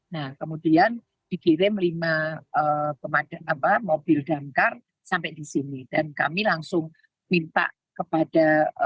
nah kemudian dikirim lima mobil damkar sampai di sini dan kami langsung minta kepada